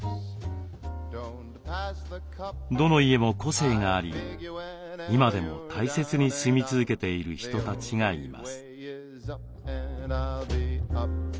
どの家も個性があり今でも大切に住み続けている人たちがいます。